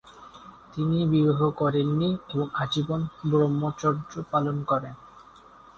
তিনি বিবাহ করেননি এবং আজীবন ব্রহ্মচর্য পালন করেন।